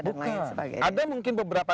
dan lain sebagainya ada mungkin beberapa